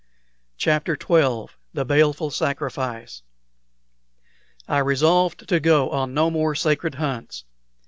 CHAPTER XII THE BALEFUL SACRIFICE I resolved to go on no more sacred hunts.